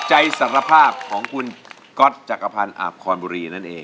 ใจสารภาพของคุณก็อตจักรพันธุ์อาบคอนบุรี